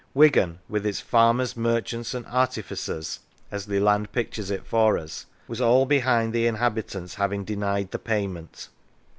Wigan, with its "farmers, merchants, and artificers," as Leland pictures it for us, "was all behind, the inhabitants having denied the payment."